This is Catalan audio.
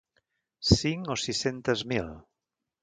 Cinc o sis-centes mil.